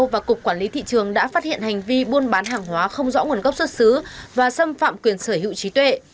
và cục quản lý thị trường đã phát hiện hành vi buôn bán hàng hóa không rõ nguồn gốc xuất xứ và xâm phạm quyền sở hữu trí tuệ